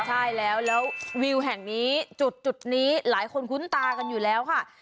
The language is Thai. ใช่แล้วแล้ววิวแห่งนี้จุดนี้หลายคนคุ้นตากันอยู่แล้วค่ะ